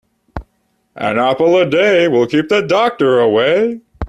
An apple a day, will keep the doctor away.